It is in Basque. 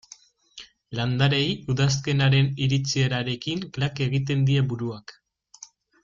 Landareei udazkenaren iritsierarekin klak egiten die buruak.